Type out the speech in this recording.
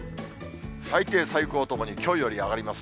最低、最高ともにきょうより上がります。